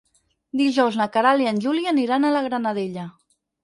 Dijous na Queralt i en Juli aniran a la Granadella.